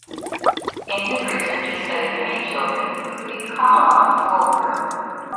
In his research he studied many children, including Kamala, the wolf girl.